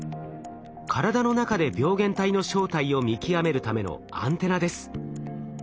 体の中で病原体の正体を見極めるためのアンテナです。